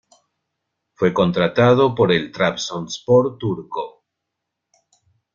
Fue contratado por el Trabzonspor turco.